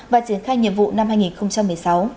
và triển khai nhiệm vụ năm hai nghìn một mươi sáu